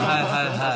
はい？